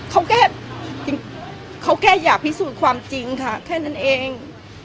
เขาแค่จริงเขาแค่อยากพิสูจน์ความจริงค่ะแค่นั้นเอง